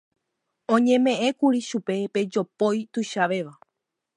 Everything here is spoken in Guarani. oñeme'ẽkuri chupe pe jopói tuichavéva